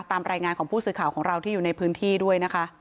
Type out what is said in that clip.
ตามรายงานของผู้สื่อข่าวของเราที่อยู่ในพื้นที่ด้วยนะคะ